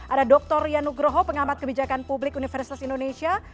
ada dr rian ugroho pengamat kebijakan publik universitas indonesia